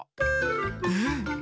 うん。